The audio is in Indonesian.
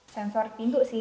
sensor pintu sih